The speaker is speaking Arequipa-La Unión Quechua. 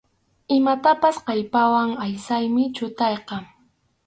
Imatapas kallpawan aysaymi chutayqa.